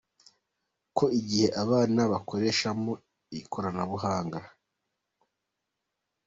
ko igihe abana bakoreshamo ikoranabuhanga.